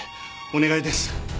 お願いです。